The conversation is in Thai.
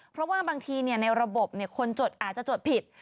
เพราะว่าบางทีในระบบคนจดอาจจะจดผิด